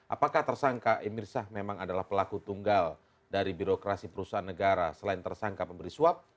apakah tersangka emir syah memang adalah pelaku tunggal dari birokrasi perusahaan negara selain tersangka pemberi suap